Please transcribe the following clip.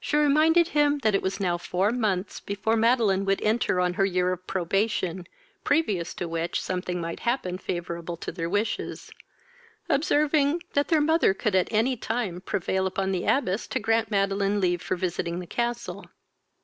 She reminded him this it was now four months before Madeline would enter on her year of probation, previous to which something might happen favourable to their wishes; observing, that their mother could at any time prevail upon the abbess to grant Madeline leave for visiting the castle.